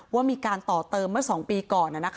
ว่ามีการต่อเติมเมื่อ๒ปีก่อน